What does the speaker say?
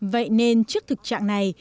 vậy nên trước thực trạng này